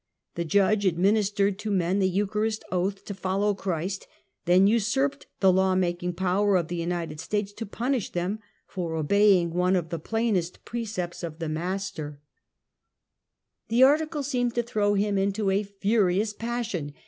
The Judge administered to men the eucharist oath to follow Christ, then usurped the law making power of the United States to punish them for obeying one of the plainest precepts of the Master. 118 Half a Century. The article seemed to throw liim into a furiouis pas sion.